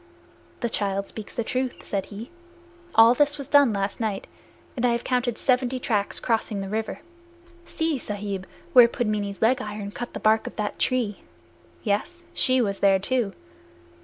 "The child speaks truth," said he. "All this was done last night, and I have counted seventy tracks crossing the river. See, Sahib, where Pudmini's leg iron cut the bark of that tree! Yes; she was there too."